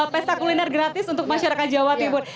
pesta kuliner gratis untuk masyarakat jawa timur